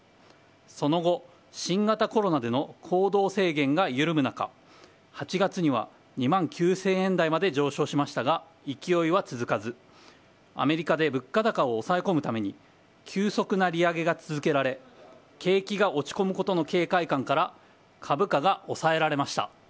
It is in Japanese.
その後新型コロナでの行動制限が緩む中８月には２万９０００円台まで上昇しましたが勢いは続かずアメリカで物価高を抑え込むために急速な利上げが続けられ景気が落ち込むことへの警戒感から株価が抑えられました。